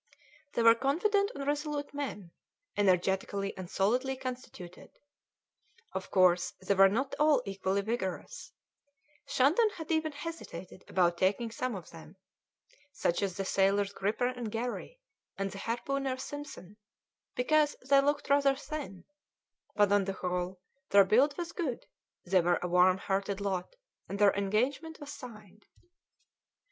They were confident and resolute men, energetically and solidly constituted. Of course they were not all equally vigorous; Shandon had even hesitated about taking some of them, such as the sailors Gripper and Garry, and the harpooner Simpson, because they looked rather thin; but, on the whole, their build was good; they were a warm hearted lot, and their engagement was signed.